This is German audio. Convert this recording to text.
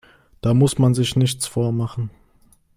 Da muss man sich nichts vormachen.